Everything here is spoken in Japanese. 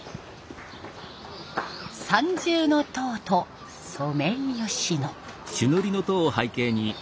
三重塔とソメイヨシノ。